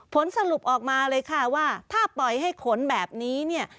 ผลสรุปออกมาเลยค่ะว่าถ้าปล่อยให้ขนแบบนี้เนี่ย